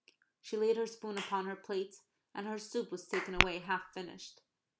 She laid her spoon upon her plate, and her soup was taken away half finished.